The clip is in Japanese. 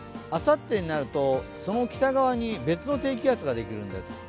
あさってになると、その北側に別の低気圧ができるんです。